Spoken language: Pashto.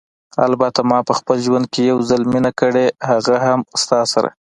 البته ما په خپل ژوند کې یو ځل مینه کړې، هغه هم ستا سره.